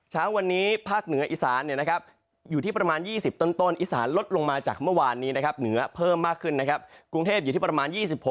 เช้าวันนี้ภาคเหนืออีสานอยู่ที่ประมาณ๒๐ต้นอีสานลดลงมาจากเมื่อวานนี้นะครับเหนือเพิ่มมากขึ้นนะครับกรุงเทพอยู่ที่ประมาณ๒๖